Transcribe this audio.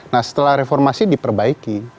nah setelah reformasi diperbaiki